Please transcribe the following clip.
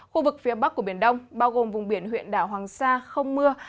khu vực phía bắc của biển đông bao gồm vùng biển huyện đảo hoàng sa không mưa